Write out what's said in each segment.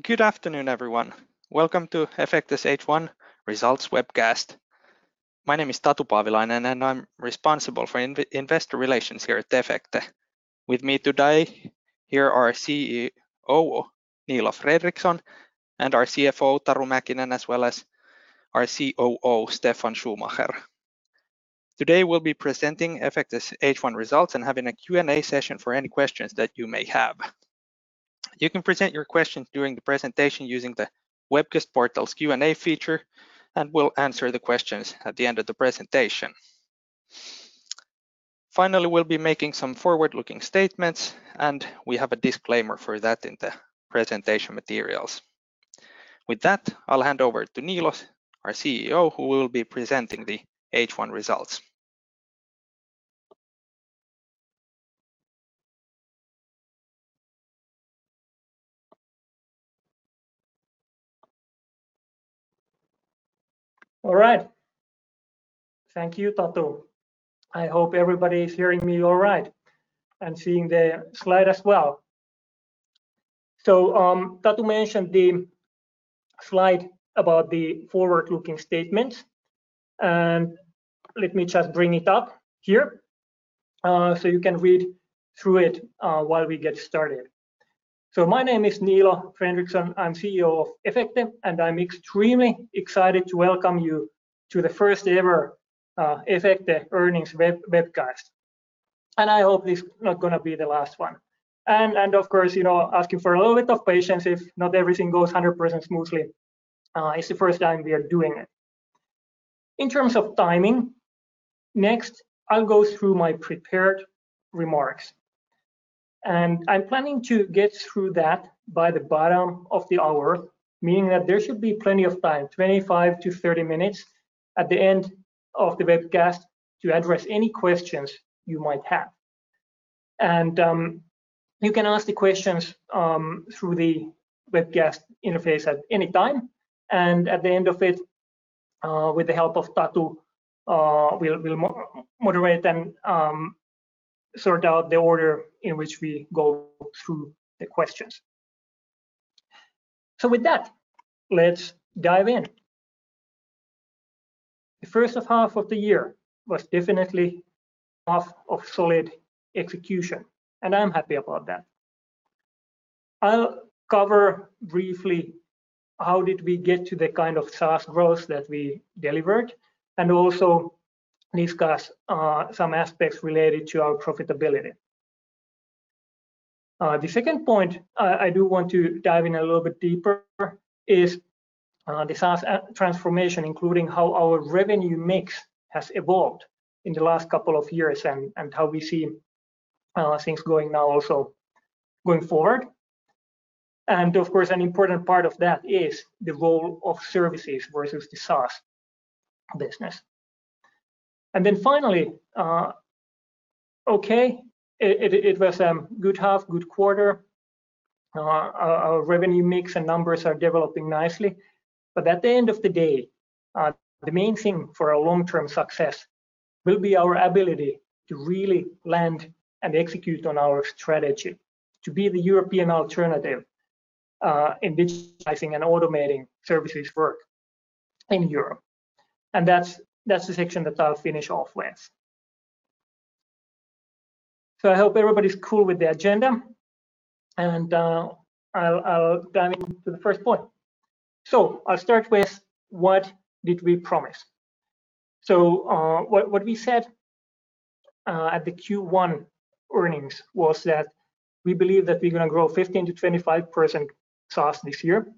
Good afternoon, everyone. Welcome to Efecte's H1 results webcast. My name is Tatu Paavilainen, and I'm responsible for investor relations here at Efecte. With me today here are CEO, Niilo Fredrikson and our CFO, Taru Mäkinen, as well as our COO, Steffan Schumacher. Today, we'll be presenting Efecte's H1 results and having a Q&A session for any questions that you may have. You can present your questions during the presentation using the webcast portal's Q&A feature, and we'll answer the questions at the end of the presentation. Finally, we'll be making some forward-looking statements, and we have a disclaimer for that in the presentation materials. With that, I'll hand over to Niilo, our CEO, who will be presenting the H1 results. All right. Thank you, Tatu. I hope everybody is hearing me all right and seeing the slide as well. Tatu mentioned the slide about the forward-looking statements, and let me just bring it up here, so you can read through it while we get started. My name is Niilo Fredrikson. I'm CEO of Efecte, and I'm extremely excited to welcome you to the first-ever Efecte earnings webcast. I hope it's not going to be the last one. Of course, asking for a little bit of patience if not everything goes 100% smoothly. It's the first time we are doing it. In terms of timing, next, I'll go through my prepared remarks. I'm planning to get through that by the bottom of the hour, meaning that there should be plenty of time, 25-30 minutes, at the end of the webcast to address any questions you might have. You can ask the questions through the webcast interface at any time, and at the end of it, with the help of Tatu, we'll moderate and sort out the order in which we go through the questions. With that, let's dive in. The first half of the year was definitely half of solid execution, and I'm happy about that. I'll cover briefly how did we get to the kind of SaaS growth that we delivered, and also discuss some aspects related to our profitability. The second point I do want to dive in a little bit deeper is the SaaS transformation, including how our revenue mix has evolved in the last couple of years and how we see things going now also going forward. Of course, an important part of that is the role of services versus the SaaS business. Finally, okay, it was a good half, good quarter. Our revenue mix and numbers are developing nicely. At the end of the day, the main thing for our long-term success will be our ability to really land and execute on our strategy to be the European alternative in digitizing and automating services work in Europe. That's the section that I'll finish off with. I hope everybody's cool with the agenda, and I'll dive into the first point. I'll start with what did we promise? What we said at the Q1 earnings was that we believe that we're going to grow 15%-25% SaaS this year.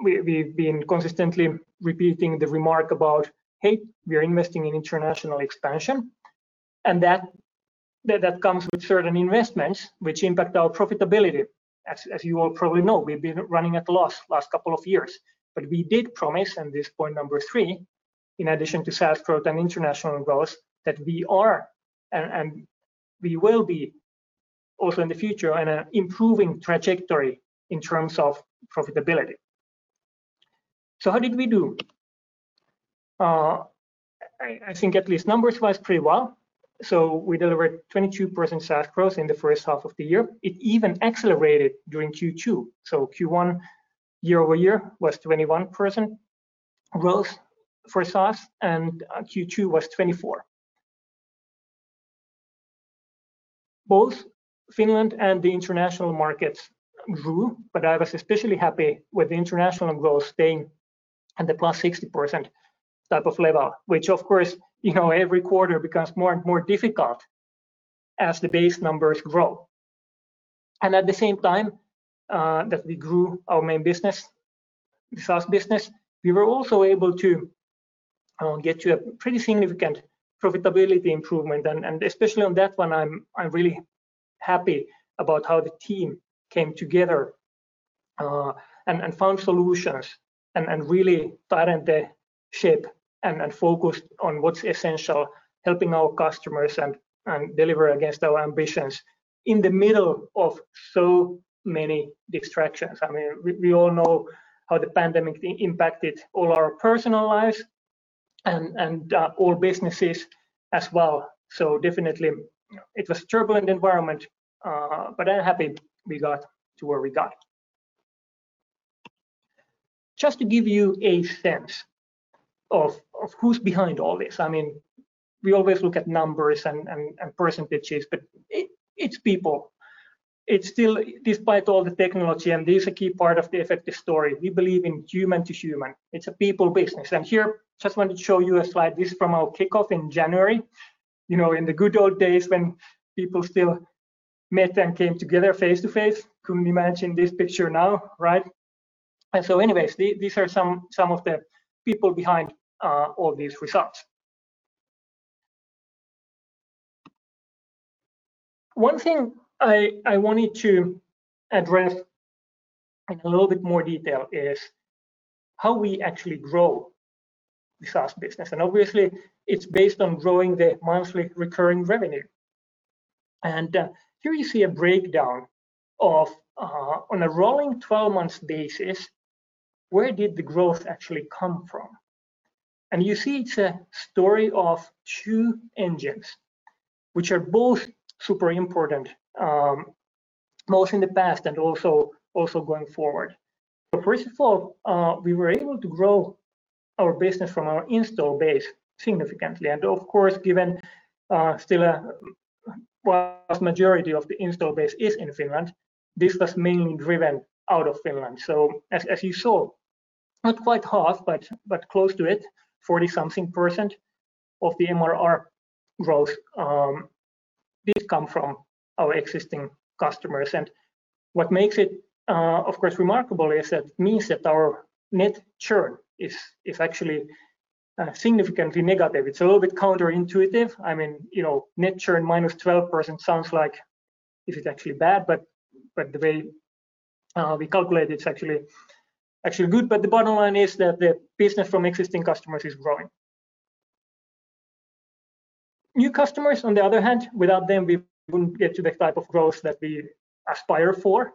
We've been consistently repeating the remark about, hey, we are investing in international expansion, and that comes with certain investments which impact our profitability. As you all probably know, we've been running at a loss last couple of years. We did promise on this point number three, in addition to SaaS growth and international growth, that we are, and we will be also in the future, in an improving trajectory in terms of profitability. How did we do? I think at least numbers-wise, pretty well. We delivered 22% SaaS growth in the first half of the year. It even accelerated during Q2. Q1 year-over-year was 21% growth for SaaS, and Q2 was 24%. Both Finland and the international markets grew. I was especially happy with the international growth staying at the +60% type of level, which of course every quarter becomes more and more difficult as the base numbers grow. At the same time that we grew our main business, the SaaS business, we were also able to get to a pretty significant profitability improvement. Especially on that one, I'm really happy about how the team came together and found solutions and really tightened the ship and focused on what's essential, helping our customers and deliver against our ambitions in the middle of so many distractions. I mean, we all know how the pandemic impacted all our personal lives. All businesses as well. Definitely, it was a turbulent environment, but I'm happy we got to where we got. Just to give you a sense of who's behind all this. We always look at numbers and percentages, it's people. It's still, despite all the technology, this is a key part of the Efecte story, we believe in human to human. It's a people business. Here, just wanted to show you a slide. This is from our kickoff in January, in the good old days when people still met and came together face-to-face. Couldn't imagine this picture now. Anyways, these are some of the people behind all these results. One thing I wanted to address in a little bit more detail is how we actually grow the SaaS business. Obviously it's based on growing the monthly recurring revenue. Here you see a breakdown of, on a rolling 12-month basis, where did the growth actually come from? You see it's a story of two engines, which are both super important, both in the past and also going forward. First of all, we were able to grow our business from our install base significantly. Of course, given still a vast majority of the install base is in Finland, this was mainly driven out of Finland. As you saw, not quite half, but close to it, 40-something percent of the MRR growth did come from our existing customers. What makes it, of course, remarkable is that means that our net churn is actually significantly negative. It's a little bit counterintuitive. Net churn -12% sounds like it is actually bad, but the way we calculate it's actually good. The bottom line is that the business from existing customers is growing. New customers, on the other hand, without them, we wouldn't get to the type of growth that we aspire for.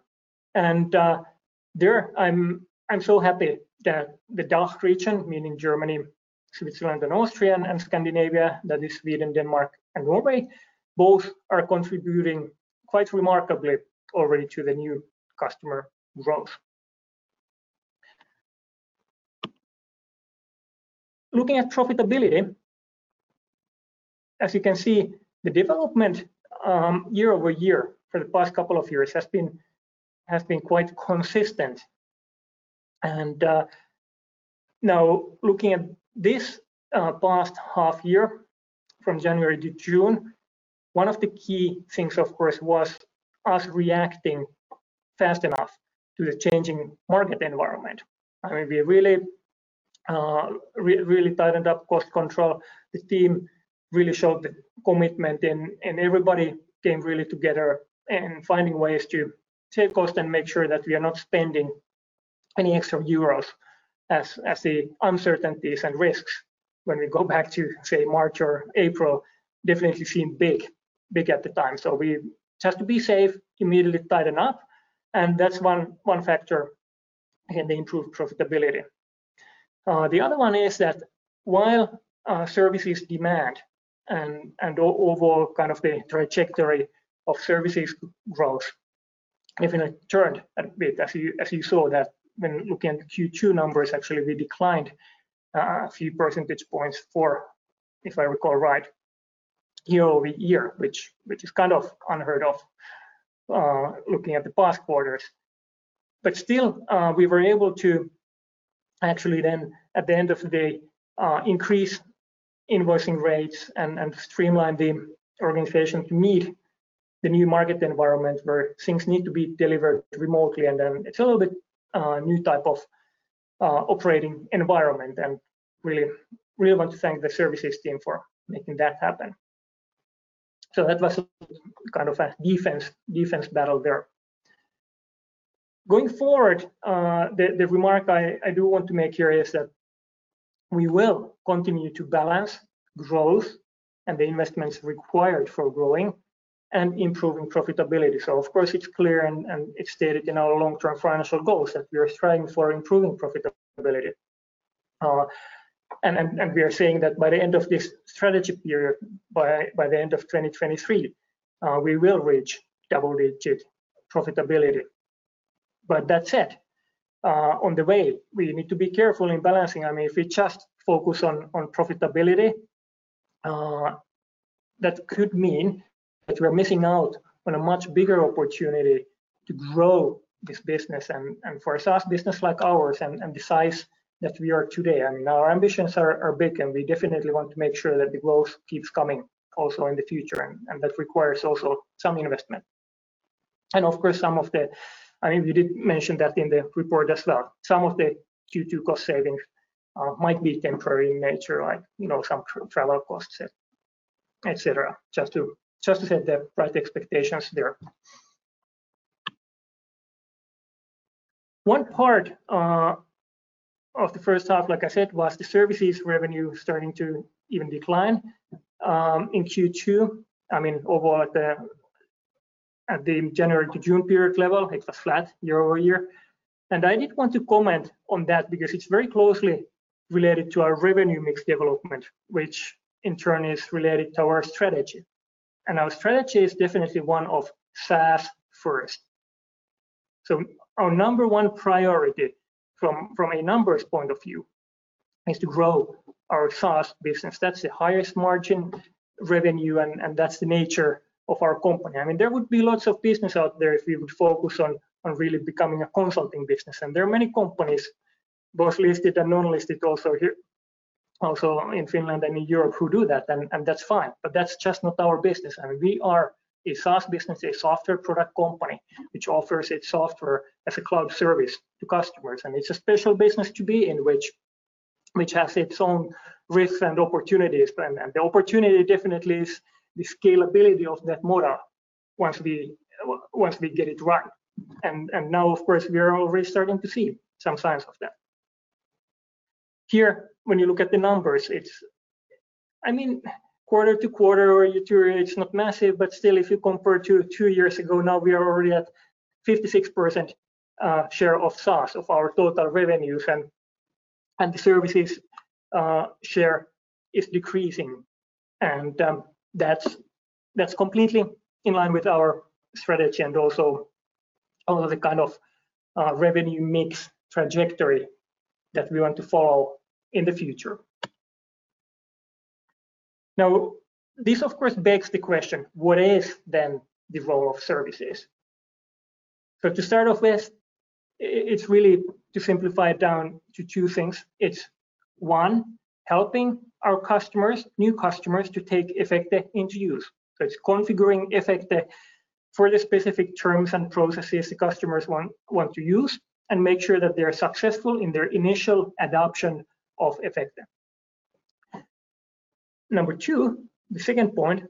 There, I'm so happy that the DACH region, meaning Germany, Switzerland, and Austria, and Scandinavia, that is Sweden, Denmark, and Norway, both are contributing quite remarkably already to the new customer growth. Looking at profitability, as you can see, the development year-over-year for the past couple of years has been quite consistent. Now looking at this past half year from January to June, one of the key things, of course, was us reacting fast enough to the changing market environment. We really tightened up cost control. The team really showed the commitment, and everybody came really together in finding ways to save cost and make sure that we are not spending any extra EUR as the uncertainties and risks when we go back to, say, March or April, definitely seemed big at the time. We, just to be safe, immediately tightened up, and that's one factor in the improved profitability. The other one is that while services demand and overall the trajectory of services growth definitely turned a bit, as you saw that when looking at the Q2 numbers, actually we declined a few percentage points for, if I recall right, year-over-year, which is unheard of looking at the past quarters. But still, we were able to actually then, at the end of the day, increase invoicing rates and streamline the organization to meet the new market environment where things need to be delivered remotely, and then it's a little bit new type of operating environment, and really want to thank the services team for making that happen. That was kind of a defense battle there. Going forward, the remark I do want to make here is that we will continue to balance growth and the investments required for growing and improving profitability. Of course, it's clear and it's stated in our long-term financial goals that we are striving for improving profitability. We are saying that by the end of this strategy period, by the end of 2023, we will reach double-digit profitability. That said, on the way, we need to be careful in balancing. If we just focus on profitability, that could mean that we're missing out on a much bigger opportunity to grow this business. For a SaaS business like ours and the size that we are today, our ambitions are big, and we definitely want to make sure that the growth keeps coming also in the future, and that requires also some investment. Of course, we did mention that in the report as well. Some of the Q2 cost savings might be temporary in nature, like some travel costs, et cetera, just to set the right expectations there. One part of the first half, like I said, was the services revenue starting to even decline in Q2. Overall, at the January to June period level, it was flat year-over-year. I did want to comment on that because it's very closely related to our revenue mix development, which in turn is related to our strategy. Our strategy is definitely one of SaaS first. Our number one priority from a numbers point of view is to grow our SaaS business. That's the highest margin revenue, and that's the nature of our company. There would be lots of business out there if we would focus on really becoming a consulting business. There are many companies, both listed and non-listed also in Finland and in Europe who do that, and that's fine. That's just not our business. We are a SaaS business, a software product company which offers its software as a cloud service to customers, and it's a special business to be in, which has its own risks and opportunities. The opportunity definitely is the scalability of that model once we get it right. Now, of course, we are already starting to see some signs of that. Here, when you look at the numbers, quarter to quarter or year to year, it's not massive, but still, if you compare to two years ago, now we are already at 56% share of SaaS of our total revenues, and the services share is decreasing. That's completely in line with our strategy and also the kind of revenue mix trajectory that we want to follow in the future. Now, this, of course, begs the question, what is then the role of services? To start off with, it's really to simplify it down to two things. It's, one, helping our new customers to take Efecte into use. It's configuring Efecte for the specific terms and processes the customers want to use and make sure that they are successful in their initial adoption of Efecte. Number two, the second point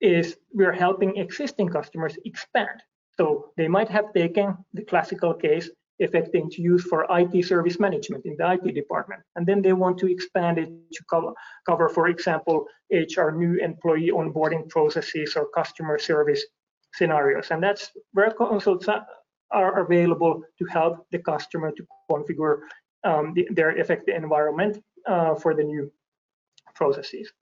is we are helping existing customers expand. They might have taken the classical case, Efecte into use for IT service management in the IT department, and then they want to expand it to cover, for example, HR new employee onboarding processes or customer service scenarios. That's where consultants are available to help the customer to configure their Efecte environment for the new processes.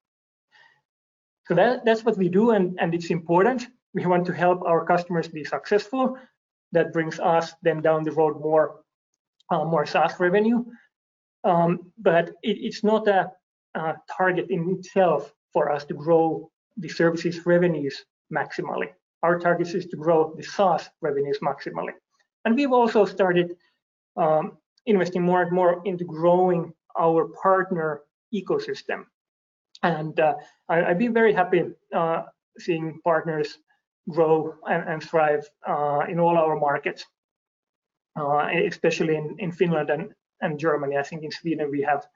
That's what we do, and it's important. We want to help our customers be successful. That brings us then down the road more SaaS revenue. It's not a target in itself for us to grow the services revenues maximally. Our target is to grow the SaaS revenues maximally. We've also started investing more and more into growing our partner ecosystem. I'd be very happy seeing partners grow and thrive in all our markets, especially in Finland and Germany. I think in Sweden, we have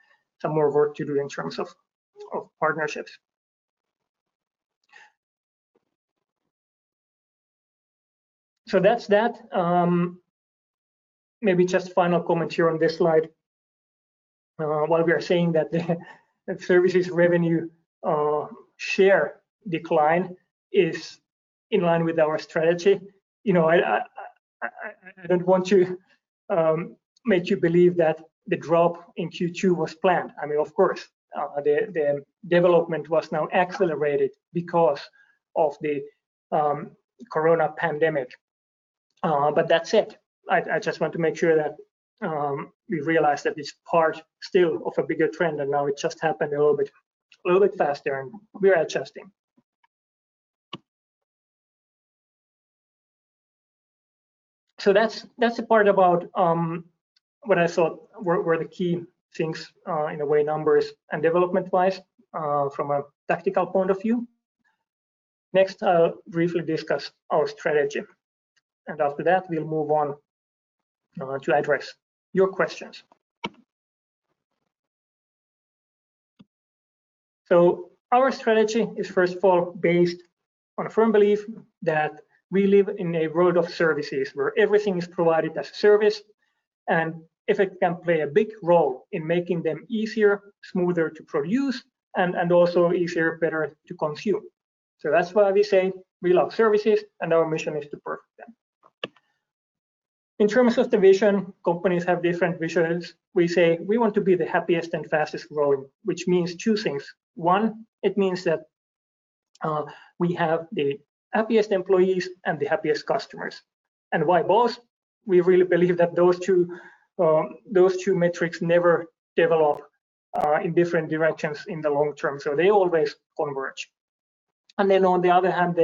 some more work to do in terms of partnerships. That's that. Maybe just final comment here on this slide. While we are saying that the services revenue share decline is in line with our strategy, I don't want to make you believe that the drop in Q2 was planned. Of course, the development was now accelerated because of the corona pandemic. That's it. I just want to make sure that we realize that it's part still of a bigger trend, and now it just happened a little bit faster, and we are adjusting. That's the part about what I thought were the key things in a way, numbers and development-wise, from a tactical point of view. Next, I'll briefly discuss our strategy, and after that, we'll move on to address your questions. Our strategy is, first of all, based on a firm belief that we live in a world of services where everything is provided as a service, and Efecte can play a big role in making them easier, smoother to produce, and also easier, better to consume. That's why we say we love services and our mission is to perfect them. In terms of the vision, companies have different visions. We say we want to be the happiest and fastest growing, which means two things. One, it means that we have the happiest employees and the happiest customers. Why both? We really believe that those two metrics never develop in different directions in the long term, so they always converge. Then, on the other hand,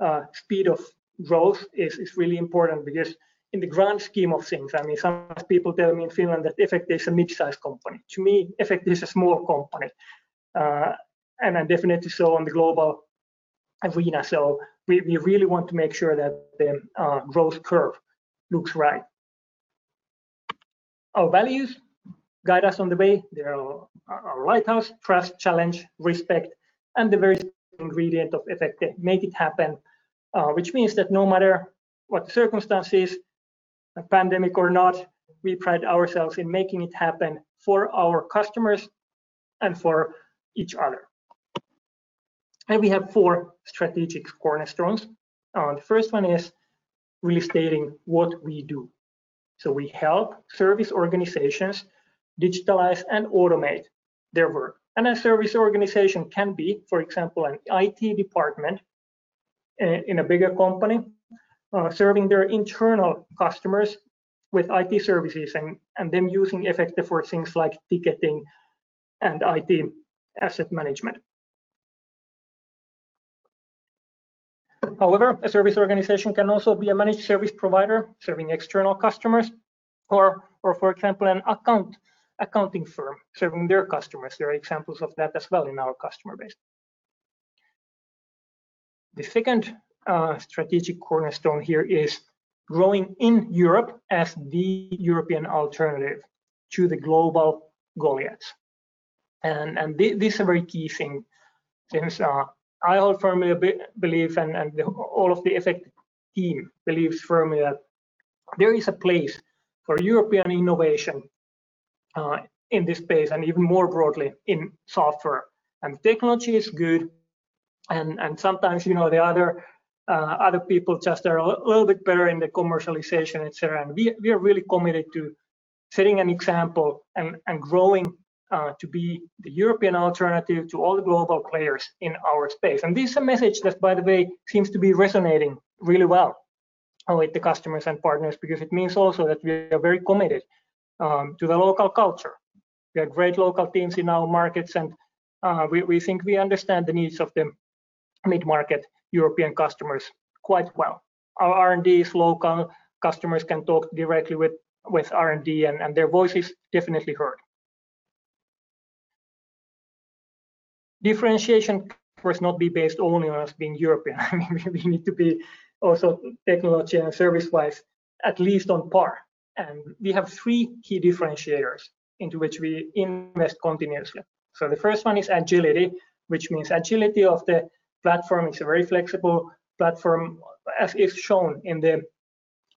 the speed of growth is really important because in the grand scheme of things, sometimes people tell me in Finland that Efecte is a mid-size company. To me, Efecte is a small company, and definitely so on the global arena. We really want to make sure that the growth curve looks right. Our values guide us on the way. They are our lighthouse. Trust, challenge, respect, and the very ingredient of Efecte, make it happen, which means that no matter what the circumstances, Pandemic or not, we pride ourselves in making it happen for our customers and for each other. We have four strategic cornerstones. The first one is restating what we do. We help service organizations digitalize and automate their work. A service organization can be, for example, an IT department in a bigger company, serving their internal customers with IT services and then using Efecte for things like ticketing and IT asset management. However, a service organization can also be a managed service provider serving external customers or, for example, an accounting firm serving their customers. There are examples of that as well in our customer base. The second strategic cornerstone here is growing in Europe as the European alternative to the global goliaths. This is a very key thing since I hold firmly a belief and all of the Efecte team believes firmly that there is a place for European innovation in this space, and even more broadly in software. The technology is good and sometimes the other people just are a little bit better in the commercialization, et cetera, and we are really committed to setting an example and growing to be the European alternative to all the global players in our space. This is a message that, by the way, seems to be resonating really well with the customers and partners because it means also that we are very committed to the local culture. We have great local teams in our markets, and we think we understand the needs of the mid-market European customers quite well. Our R&D is local. Customers can talk directly with R&D, and their voice is definitely heard. Differentiation cannot be based only on us being European. We need to be also technology and service-wise, at least on par. We have three key differentiators into which we invest continuously. The first one is agility, which means agility of the platform. It's a very flexible platform, as is shown in the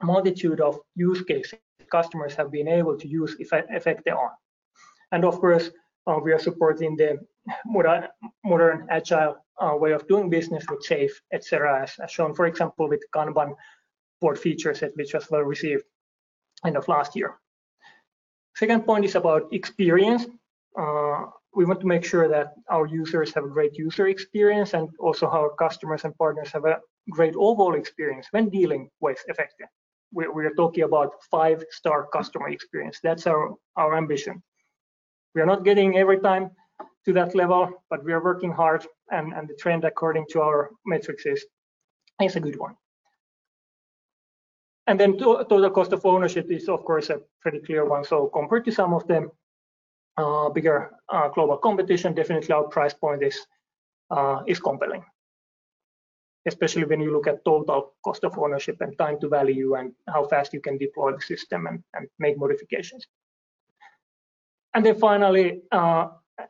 multitude of use cases customers have been able to use Efecte on. Of course, we are supporting the modern, agile way of doing business with SAFe, et cetera, as shown, for example, with Kanban board features that we just well received end of last year. Second point is about experience. We want to make sure that our users have a great user experience and also our customers and partners have a great overall experience when dealing with Efecte. We are talking about 5-star customer experience. That's our ambition. We are not getting every time to that level, but we are working hard and the trend, according to our metrics, is a good one. Total cost of ownership is, of course, a pretty clear one. Compared to some of the bigger global competition, definitely our price point is compelling, especially when you look at total cost of ownership and time to value and how fast you can deploy the system and make modifications. Finally,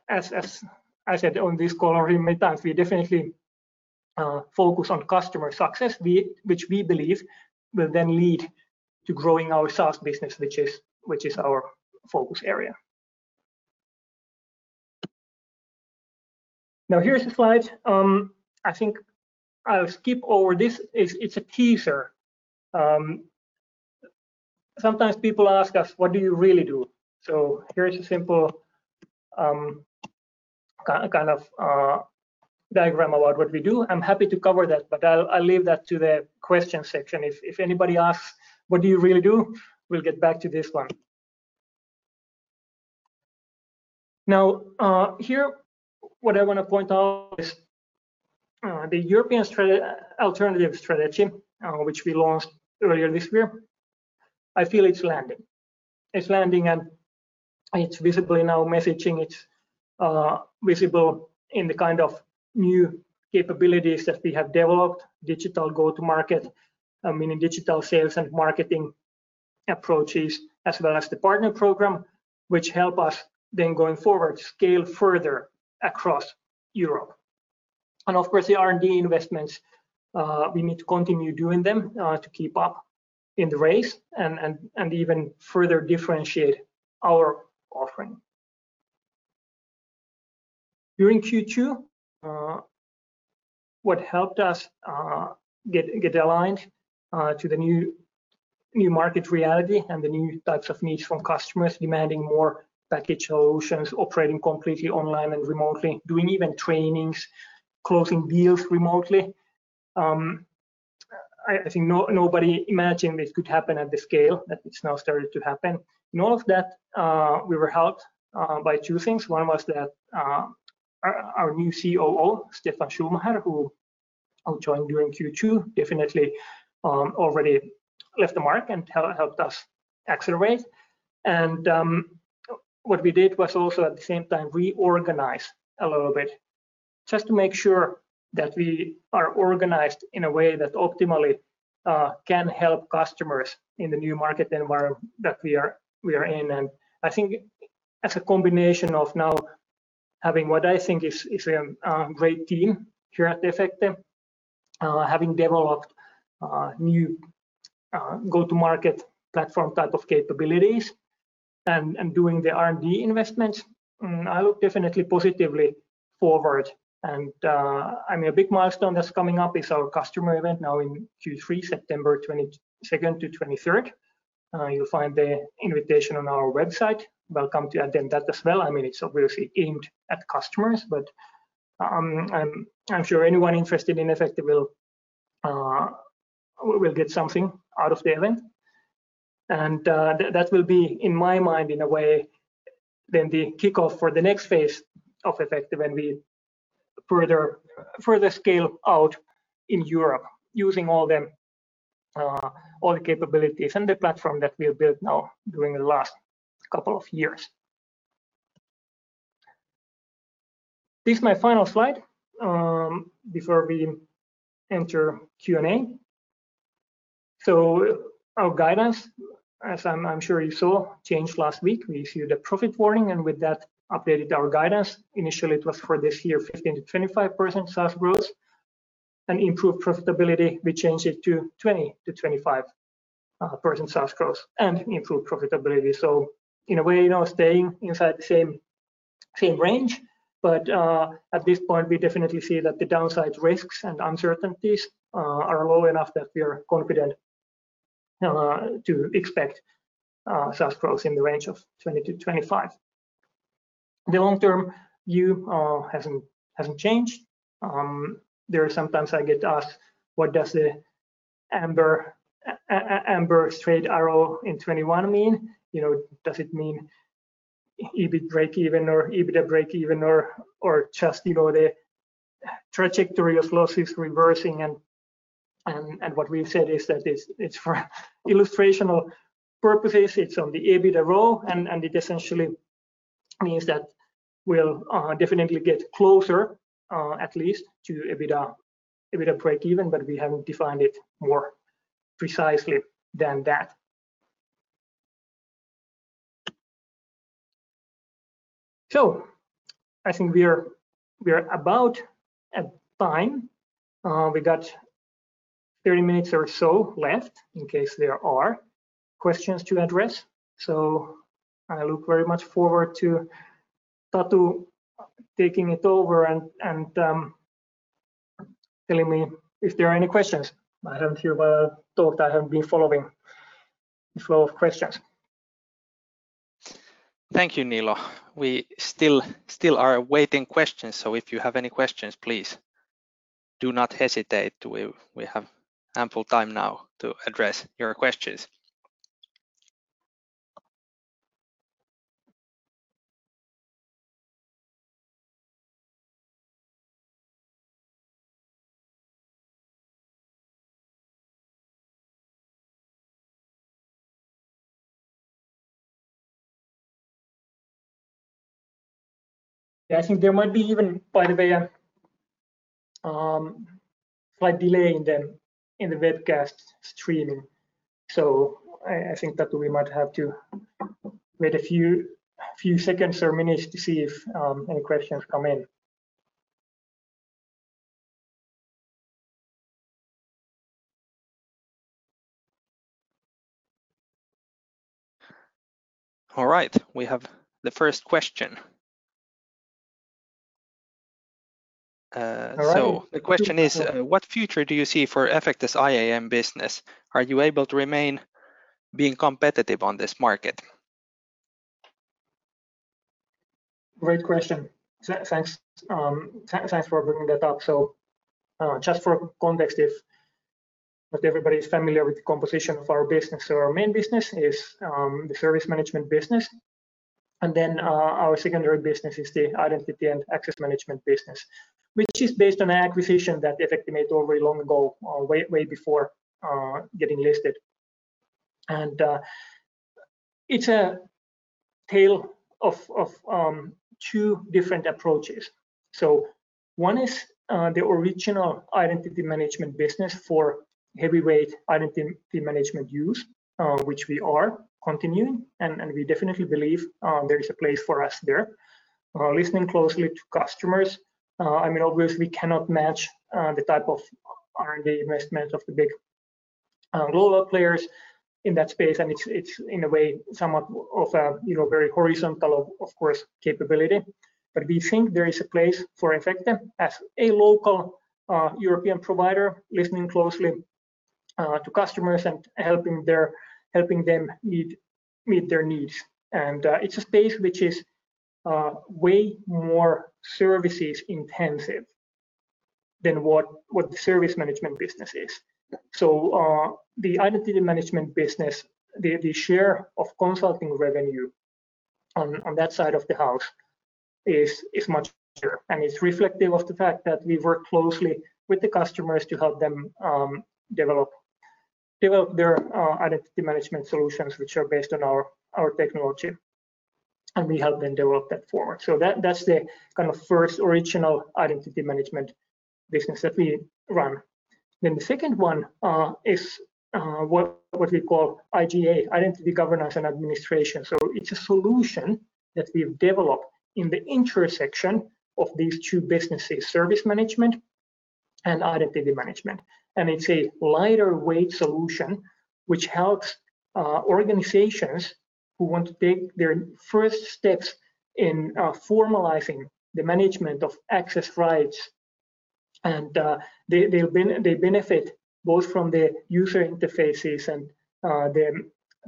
as I said on this call many times, we definitely focus on customer success, which we believe will then lead to growing our SaaS business, which is our focus area. Here's a slide. I think I'll skip over this. It's a teaser. Sometimes people ask us, what do you really do? Here is a simple kind of diagram about what we do. I'm happy to cover that, but I'll leave that to the question section. If anybody asks, what do you really do? We'll get back to this one. Now, here, what I want to point out is the European alternative strategy, which we launched earlier this year. I feel it's landing. It's landing, and it's visible in our messaging. It's visible in the kind of new capabilities that we have developed, digital go-to-market, meaning digital sales and marketing approaches, as well as the partner program, which help us then going forward, scale further across Europe. Of course, the R&D investments, we need to continue doing them to keep up in the race and even further differentiate our offering. During Q2, what helped us get aligned to the new market reality and the new types of needs from customers demanding more package solutions, operating completely online and remotely, doing even trainings, closing deals remotely. I think nobody imagined this could happen at the scale that it's now started to happen. In all of that, we were helped by two things. One was that our new COO, Steffan Schumacher, who joined during Q2, definitely already left a mark and helped us accelerate. What we did was also, at the same time, reorganize a little bit just to make sure that we are organized in a way that optimally can help customers in the new market environment that we are in. I think as a combination of now-Having what I think is a great team here at Efecte. Having developed new go-to-market platform type of capabilities and doing the R&D investments, I look definitely positively forward. A big milestone that's coming up is our customer event now in Q3, September 22nd to 23rd. You'll find the invitation on our website. Welcome to attend that as well. It's obviously aimed at customers, I'm sure anyone interested in Efecte will get something out of the event. That will be, in my mind, in a way, then the kickoff for the next phase of Efecte when we further scale out in Europe using all the capabilities and the platform that we have built now during the last couple of years. This is my final slide before we enter Q&A. Our guidance, as I'm sure you saw, changed last week. We issued a profit warning and with that updated our guidance. Initially it was for this year, 15%-25% SaaS growth and improved profitability. We changed it to 20%-25% SaaS growth and improved profitability. In a way, staying inside the same range, but at this point, we definitely see that the downside risks and uncertainties are low enough that we are confident to expect SaaS growth in the range of 20%-25%. The long-term view hasn't changed. There are sometimes I get asked, what does the amber straight arrow in 2021 mean? Does it mean EBIT break even or EBITDA break even or just the trajectory of losses reversing? What we've said is that it's for illustrational purposes, it's on the EBITDA row, and it essentially means that we'll definitely get closer, at least, to EBITDA break even, but we haven't defined it more precisely than that. I think we are about at time. We got 30 minutes or so left in case there are questions to address. I look very much forward to Tatu taking it over and telling me if there are any questions. I haven't heard a talk. I haven't been following the flow of questions. Thank you, Niilo. We still are awaiting questions. If you have any questions, please do not hesitate. We have ample time now to address your questions. Yeah, I think there might be even, by the way, a slight delay in the webcast streaming. I think that we might have to wait a few seconds or minutes to see if any questions come in. All right. We have the first question. The question is: What future do you see for Efecte's IAM business? Are you able to remain being competitive on this market? Great question. Thanks for bringing that up. Just for context, if not everybody's familiar with the composition of our business. Our main business is the service management business, and then our secondary business is the identity and access management business, which is based on an acquisition that Efecte made already long ago, way before getting listed. It's a tale of two different approaches. One is the original identity management business for heavyweight identity management use, which we are continuing, and we definitely believe there is a place for us there. Listening closely to customers, obviously we cannot match the type of R&D investment of the big global players in that space, and it's in a way somewhat of a very horizontal, of course, capability. We think there is a place for Efecte as a local European provider, listening closely to customers and helping them meet their needs. It's a space which is way more services-intensive than what the service management business is. The identity management business, the share of consulting revenue on that side of the house is much better, and it's reflective of the fact that we work closely with the customers to help them develop their identity management solutions, which are based on our technology. We help them develop that forward. That's the kind of first original identity management business that we run. The second one is what we call IGA, identity governance and administration. It's a solution that we've developed in the intersection of these two businesses, service management and identity management. It's a lighter-weight solution which helps organizations who want to take their first steps in formalizing the management of access rights. They benefit both from the user interfaces and the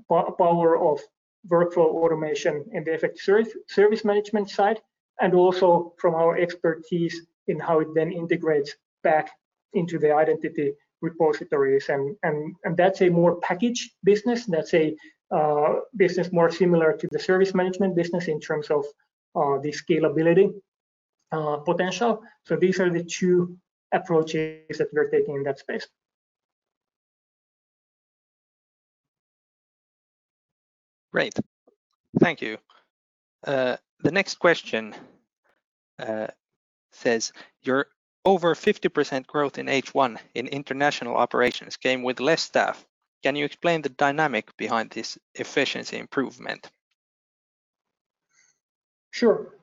power of virtual automation in the service management side, and also from our expertise in how it then integrates back into the identity repositories. That's a more packaged business. That's a business more similar to the service management business in terms of the scalability potential. These are the two approaches that we're taking in that space. Great. Thank you. The next question says, your over 50% growth in H1 in international operations came with less staff. Can you explain the dynamic behind this efficiency improvement? Sure.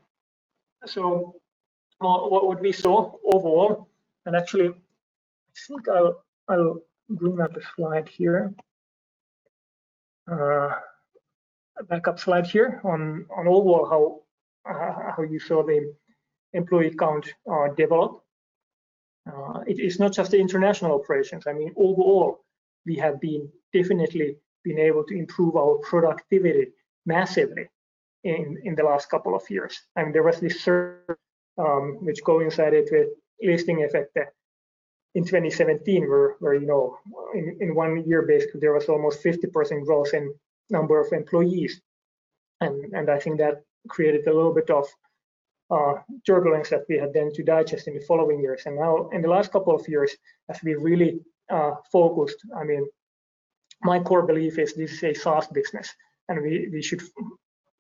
What we saw overall, actually, I think I'll bring up a slide here, a backup slide here on overall how you saw the employee count develop. It is not just the international operations. Overall, we have definitely been able to improve our productivity massively in the last couple of years. There was this surge which coincided with listing Efecte in 2017, where in one year, basically, there was almost 50% growth in number of employees. I think that created a little bit of turbulence that we had then to digest in the following years. Now in the last couple of years, as we really focused, my core belief is this is a SaaS business, and we should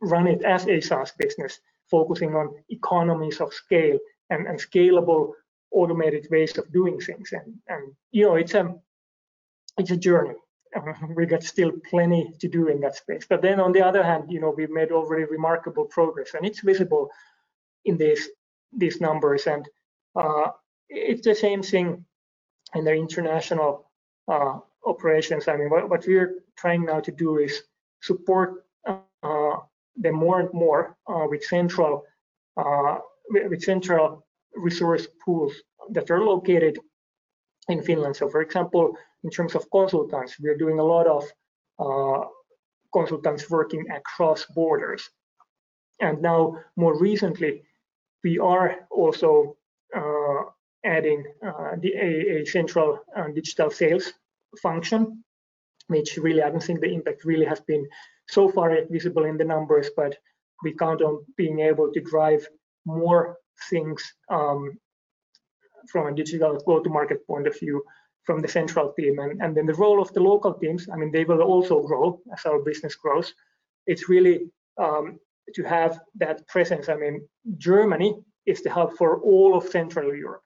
run it as a SaaS business focusing on economies of scale and scalable, automated ways of doing things. It's a journey. We've got still plenty to do in that space. On the other hand, we've made remarkable progress, and it's visible in these numbers. It's the same thing in the international operations. What we're trying now to do is support them more and more with central resource pools that are located in Finland. For example, in terms of consultants, we are doing a lot of consultants working across borders. Now more recently, we are also adding a central digital sales function, which really I don't think the impact really has been so far visible in the numbers, but we count on being able to drive more things from a digital go-to-market point of view from the central team. The role of the local teams, they will also grow as our business grows. It's really to have that presence. Germany is the hub for all of Central Europe.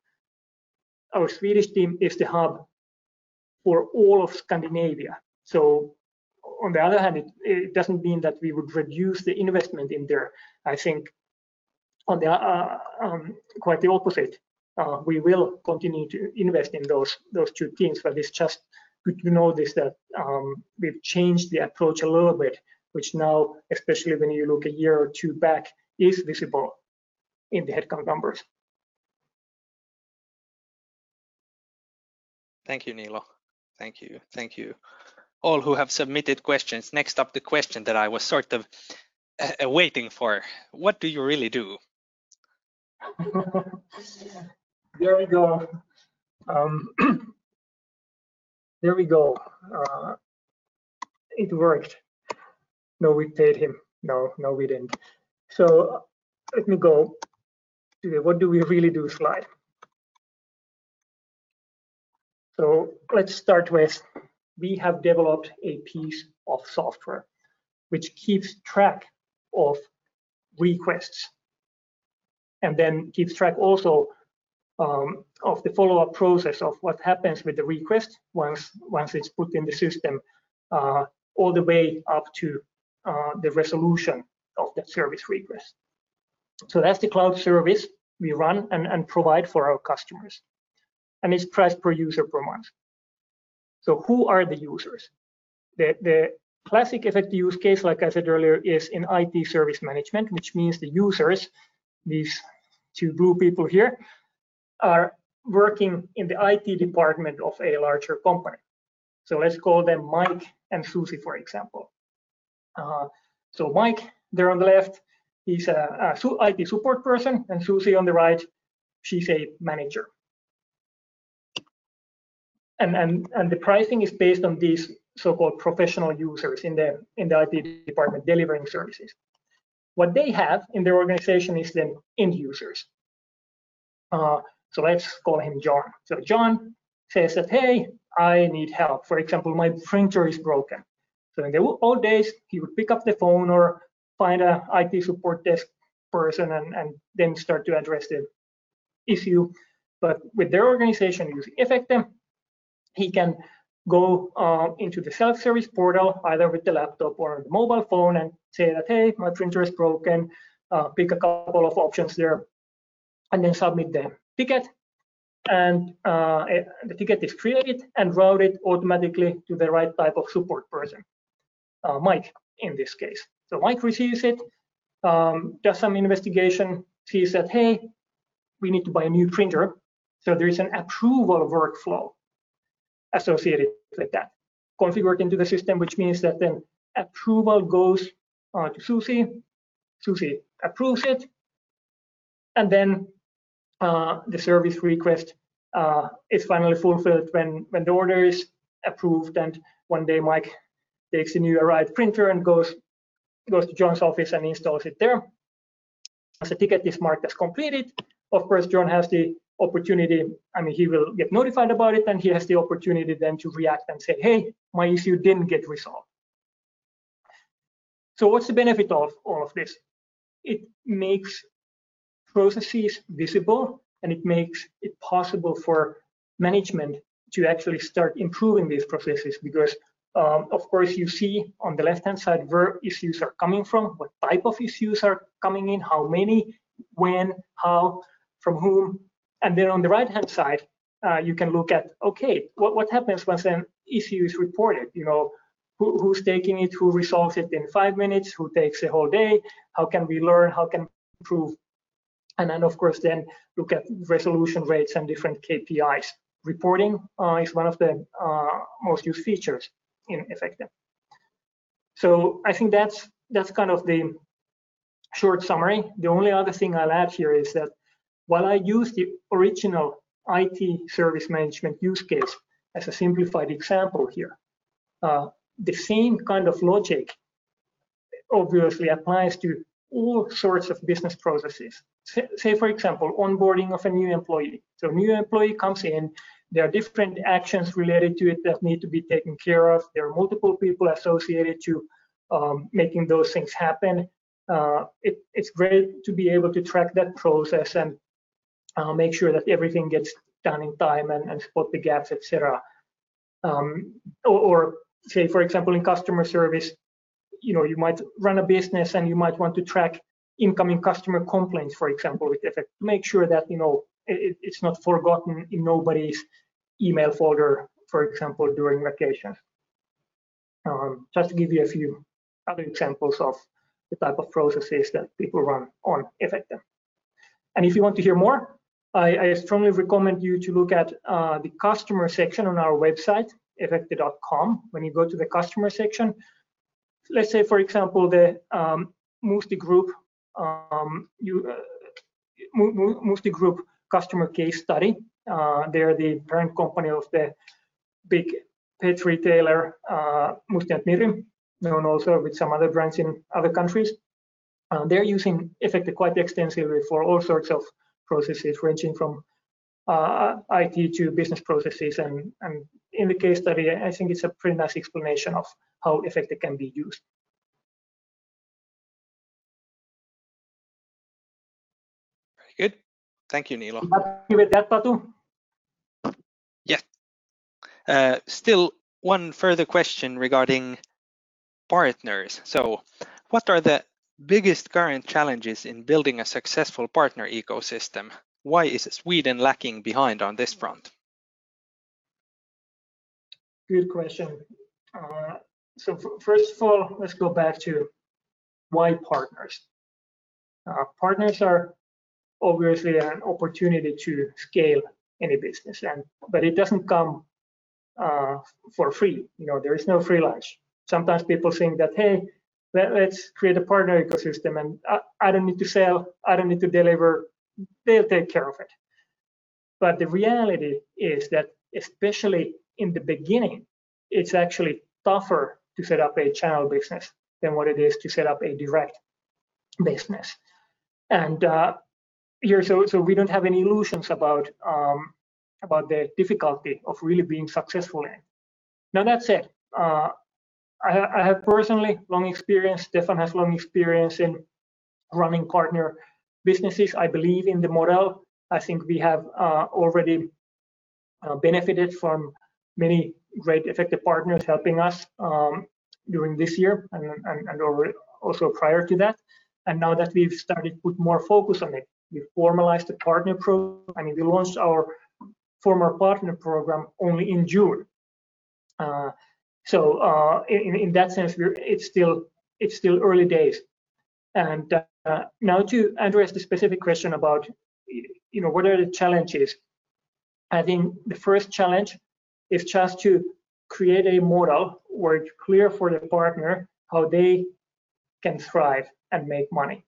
Our Swedish team is the hub for all of Scandinavia. On the other hand, it doesn't mean that we would reduce the investment in there. I think, quite the opposite. We will continue to invest in those two teams, but it's just good to notice that we've changed the approach a little bit, which now, especially when you look a year or two back, is visible in the headcount numbers. Thank you, Niilo. Thank you. Thank you all who have submitted questions. Next up, the question that I was sort of waiting for: What do you really do? There we go. There we go. It worked. No, we paid him. No, we didn't. Let me go to the what do we really do slide. Let's start with, we have developed a piece of software which keeps track of requests and then keeps track also of the follow-up process of what happens with the request once it's put in the system all the way up to the resolution of that service request. That's the cloud service we run and provide for our customers, and it's priced per user per month. Who are the users? The classic Efecte use case, like I said earlier, is in IT service management, which means the users, these two blue people here, are working in the IT department of a larger company. Let's call them Mike and Suzy, for example. Mike there on the left, he's a IT support person. Suzy on the right, she's a manager. The pricing is based on these so-called professional users in the IT department delivering services. What they have in their organization is end users. Let's call him John. John says that, "Hey, I need help. For example, my printer is broken." In the old days, he would pick up the phone or find an IT support desk person and then start to address the issue. With their organization using Efecte, he can go into the self-service portal, either with the laptop or on the mobile phone and say that, "Hey, my printer is broken," pick a couple of options there, and then submit the ticket. The ticket is created and routed automatically to the right type of support person, Mike, in this case. Mike receives it, does some investigation, sees that, hey, we need to buy a new printer. There is an approval workflow associated with that configured into the system, which means that then approval goes to Suzy. Suzy approves it, and then the service request is finally fulfilled when the order is approved and one day Mike takes the new arrived printer and goes to John's office and installs it there. The ticket is marked as completed. Of course, John has the opportunity. He will get notified about it, and he has the opportunity then to react and say, "Hey, my issue didn't get resolved." What's the benefit of all of this? It makes processes visible, it makes it possible for management to actually start improving these processes because, of course, you see on the left-hand side where issues are coming from, what type of issues are coming in, how many, when, how, from whom. Then on the right-hand side, you can look at, okay, what happens once an issue is reported? Who's taking it? Who resolves it in five minutes? Who takes a whole day? How can we learn? How can we improve? Then, of course, then look at resolution rates and different KPIs. Reporting is one of the most used features in Efecte. I think that's kind of the short summary. The only other thing I'll add here is that while I use the original IT service management use case as a simplified example here, the same kind of logic obviously applies to all sorts of business processes. Say, for example, onboarding of a new employee. A new employee comes in, there are different actions related to it that need to be taken care of. There are multiple people associated to making those things happen. It's great to be able to track that process and make sure that everything gets done in time and spot the gaps, et cetera. Say, for example, in customer service, you might run a business and you might want to track incoming customer complaints, for example, with Efecte. Make sure that it's not forgotten in nobody's email folder, for example, during vacation. Just to give you a few other examples of the type of processes that people run on Efecte. If you want to hear more, I strongly recommend you to look at the customer section on our website, efecte.com. When you go to the customer section, let's say, for example, the Musti Group customer case study. They are the parent company of the big pet retailer, Musti ja Mirri, known also with some other brands in other countries. They're using Efecte quite extensively for all sorts of processes, ranging from IT to business processes. In the case study, I think it's a pretty nice explanation of how Efecte can be used. Very good. Thank you, Niilo. Give it that, Tatu. Yeah. Still one further question regarding partners. What are the biggest current challenges in building a successful partner ecosystem? Why is Sweden lacking behind on this front? Good question. First of all, let's go back to why partners. Partners are obviously an opportunity to scale any business, but it doesn't come for free. There is no free lunch. Sometimes people think that, hey, let's create a partner ecosystem, and I don't need to sell, I don't need to deliver. They'll take care of it. The reality is that, especially in the beginning, it's actually tougher to set up a channel business than what it is to set up a direct business. Here, we don't have any illusions about the difficulty of really being successful in it. Now, that said, I have personally long experience, Steffan has long experience in running partner businesses. I believe in the model. I think we have already benefited from many great Efecte partners helping us during this year and also prior to that. Now that we've started to put more focus on it, we formalized the partner program. We launched our formal partner program only in June. In that sense, it's still early days. Now to address the specific question about what are the challenges, I think the first challenge is just to create a model where it's clear for the partner how they can thrive and make money.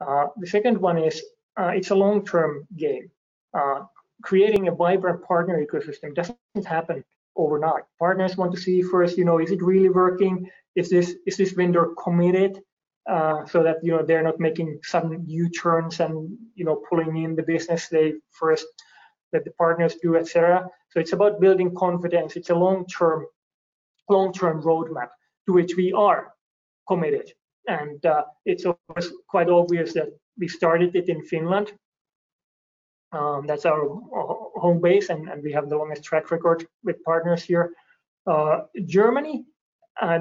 The second one is it's a long-term game. Creating a vibrant partner ecosystem doesn't happen overnight. Partners want to see first, is it really working? Is this vendor committed? That they're not making sudden U-turns and pulling in the business they first let the partners do, et cetera. It's about building confidence. It's a long-term roadmap to which we are committed. It's, of course, quite obvious that we started it in Finland. That's our home base, and we have the longest track record with partners here. Germany,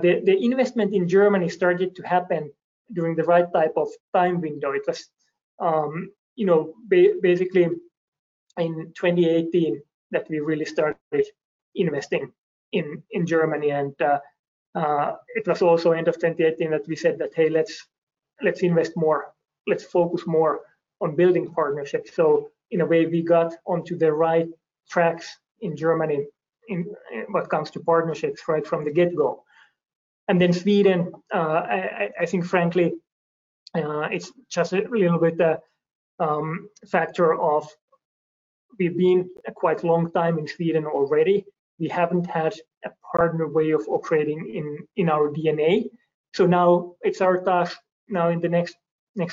the investment in Germany started to happen during the right type of time window. It was basically in 2018 that we really started investing in Germany. It was also end of 2018 that we said that, "Hey, let's invest more. Let's focus more on building partnerships." In a way, we got onto the right tracks in Germany in what comes to partnerships right from the get-go. Then Sweden, I think, frankly, it's just a little bit factor of we've been quite a long time in Sweden already. We haven't had a partner way of operating in our DNA. Now it's our task now in the next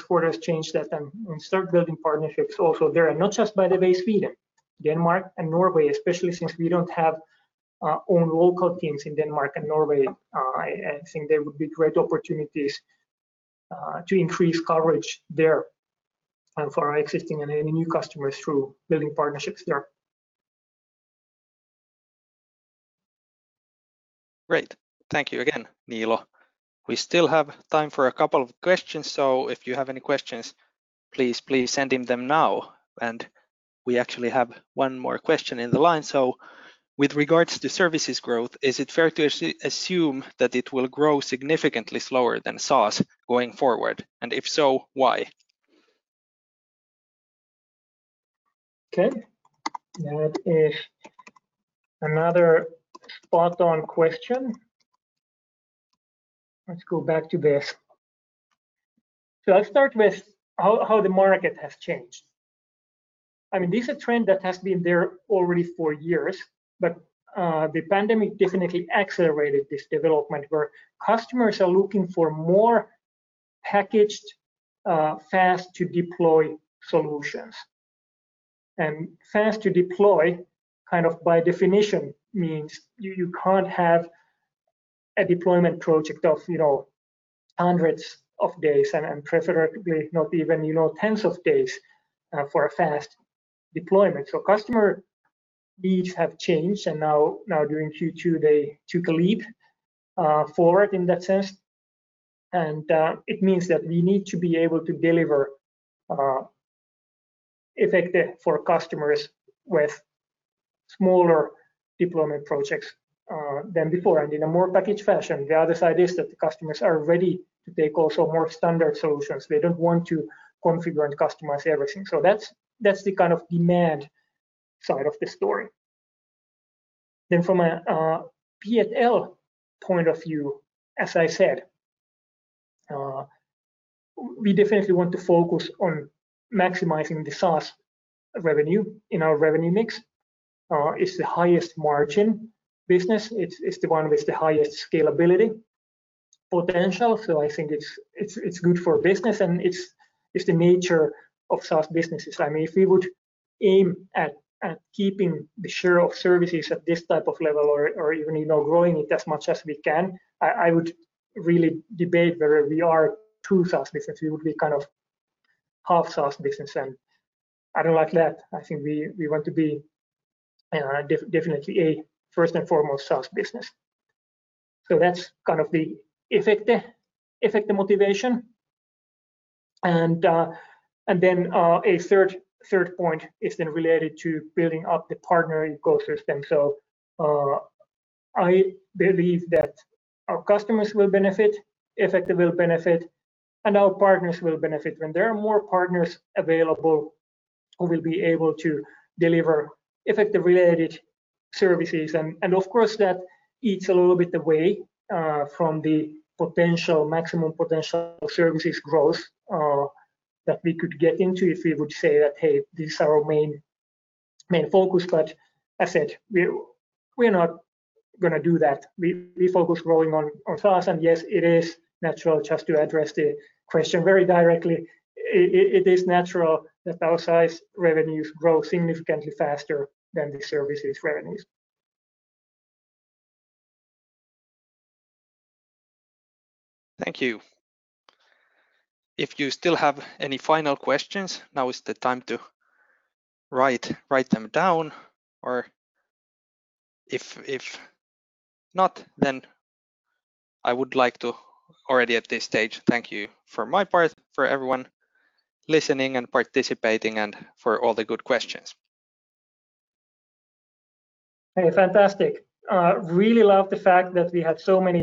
quarters change that and start building partnerships also there. Not just by the way Sweden, Denmark and Norway, especially since we don't have our own local teams in Denmark and Norway. I think there would be great opportunities to increase coverage there and for our existing and any new customers through building partnerships there. Great. Thank you again, Niilo. We still have time for two questions. If you have any questions, please send him them now. We actually have one more question in the line. With regards to services growth, is it fair to assume that it will grow significantly slower than SaaS going forward, if so, why? Okay. That is another spot on question. I'll start with how the market has changed. This is a trend that has been there already for years, but the pandemic definitely accelerated this development where customers are looking for more packaged, fast-to-deploy solutions. Fast to deploy, kind of by definition means you can't have a deployment project of hundreds of days and preferably not even tens of days for a fast deployment. Customer needs have changed, and now during Q2, they took a leap forward in that sense. It means that we need to be able to deliver Efecte for customers with smaller deployment projects than before and in a more packaged fashion. The other side is that the customers are ready to take also more standard solutions. They don't want to configure and customize everything. That's the kind of demand side of the story. From a P&L point of view, as I said, we definitely want to focus on maximizing the SaaS revenue in our revenue mix. It's the highest margin business. It's the one with the highest scalability potential. I think it's good for business, and it's the nature of SaaS businesses. If we would aim at keeping the share of services at this type of level or even growing it as much as we can, I would really debate whether we are true SaaS business. We would be kind of half SaaS business, and I don't like that. I think we want to be definitely a first and foremost SaaS business. That's kind of the Efecte motivation. A third point is then related to building up the partnering ecosystem. I believe that our customers will benefit, Efecte will benefit, and our partners will benefit. When there are more partners available who will be able to deliver Efecte-related services. Of course, that it's a little bit away from the maximum potential services growth that we could get into if we would say that, "Hey, this is our main focus." As I said, we're not going to do that. We focus growing on our SaaS. Yes, it is natural just to address the question very directly. It is natural that our SaaS revenues grow significantly faster than the services revenues. Thank you. If you still have any final questions, now is the time to write them down, or if not, then I would like to already at this stage thank you for my part, for everyone listening and participating, and for all the good questions. Hey, fantastic. Really love the fact that we had so many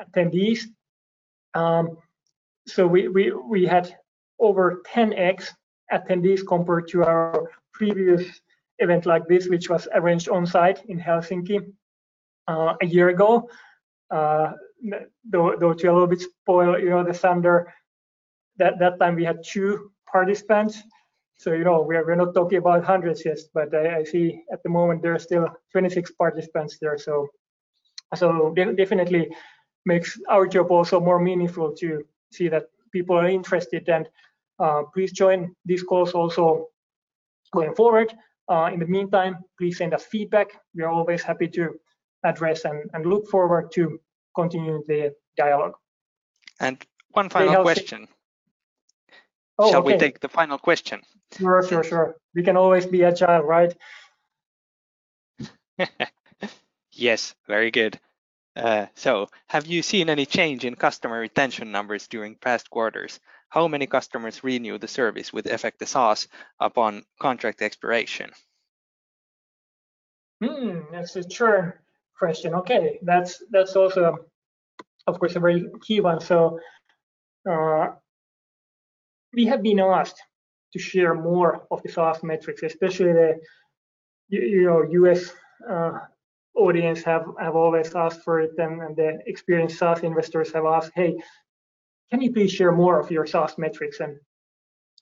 attendees. We had over 10x attendees compared to our previous event like this, which was arranged on-site in Helsinki a year ago. Though to a little bit spoil the thunder. That time we had two participants. We're not talking about hundreds yet. I see at the moment there are still 26 participants there. Definitely makes our job also more meaningful to see that people are interested and please join these calls also going forward. In the meantime, please send us feedback. We are always happy to address and look forward to continuing the dialogue. One final question. Oh, okay. Shall we take the final question? Sure. We can always be agile, right? Yes, very good. Have you seen any change in customer retention numbers during past quarters? How many customers renew the service with Efecte SaaS upon contract expiration? That's a churn question. Okay. That's also, of course, a very key one. We have been asked to share more of the SaaS metrics, especially the U.S. audience have always asked for them, and the experienced SaaS investors have asked, "Hey, can you please share more of your SaaS metrics?"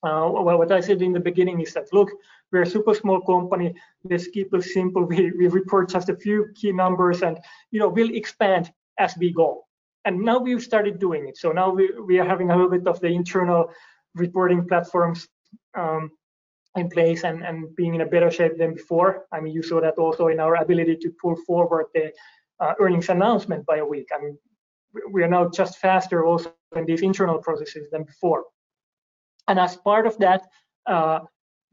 Well, what I said in the beginning is that, look, we're a super small company. Let's keep it simple. We report just a few key numbers, and we'll expand as we go. Now we've started doing it. Now we are having a little bit of the internal reporting platforms in place and being in a better shape than before. You saw that also in our ability to pull forward the earnings announcement by a week. We are now just faster also in these internal processes than before. As part of that,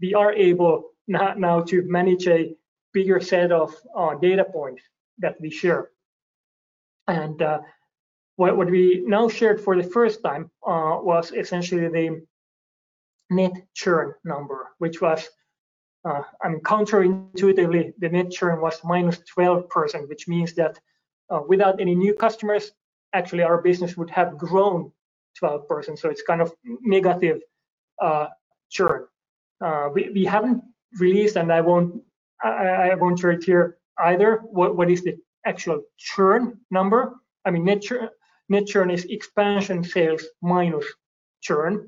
we are able now to manage a bigger set of data points that we share. What we now shared for the first time was essentially the net churn number, which was, counterintuitively, the net churn was -12%, which means that without any new customers, actually our business would have grown 12%. It's kind of negative churn. We haven't released, and I won't share it here either, what is the actual churn number. Net churn is expansion sales minus churn.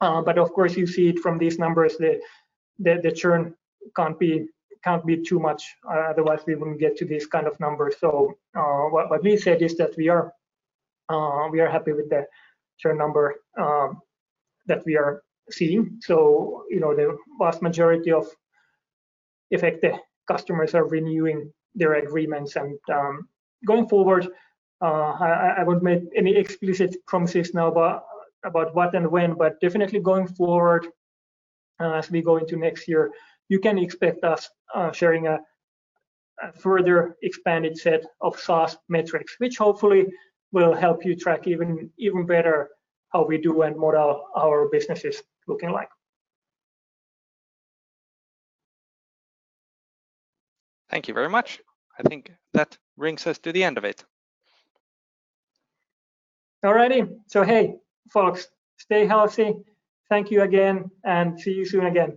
Of course, you see it from these numbers, the churn can't be too much, otherwise we wouldn't get to this kind of number. What we said is that we are happy with the churn number that we are seeing. The vast majority of Efecte customers are renewing their agreements. Going forward, I won't make any explicit promises now about what and when, but definitely going forward, as we go into next year, you can expect us sharing a further expanded set of SaaS metrics, which hopefully will help you track even better how we do and model our businesses looking like. Thank you very much. I think that brings us to the end of it. All righty. Hey, folks, stay healthy. Thank you again, and see you soon again.